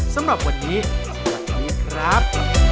สำหรับวันนี้สวัสดีครับ